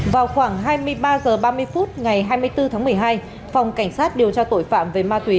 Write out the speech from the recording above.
vào khoảng hai mươi ba h ba mươi phút ngày hai mươi bốn tháng một mươi hai phòng cảnh sát điều tra tội phạm về ma túy